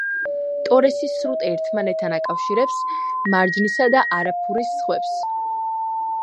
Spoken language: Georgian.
ტორესის სრუტე ერთმანეთთან აკავშირებს მარჯნისა და არაფურის ზღვებს.